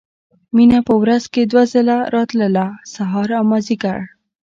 مينه په ورځ کښې دوه ځله راتله سهار او مازديګر.